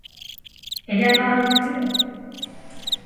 ¿ellas no habrán bebido?